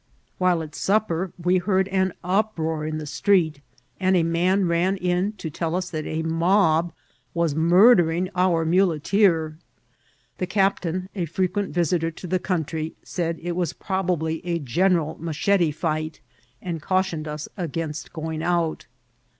While at siqpper we Vol. I.— R ft 27 S14 mCIDIllTS OP TEATIL. baurd an uproar in the street, and a man ran in to tell us that a mob was mmtlering oar muleteer. The cap tain, a frequent visiter to the country, said it was prob ably a general machete fight, and cautioned us against going out.